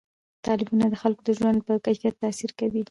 تالابونه د خلکو د ژوند په کیفیت تاثیر کوي.